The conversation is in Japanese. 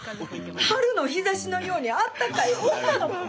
春の日ざしのようにあったかい女の子！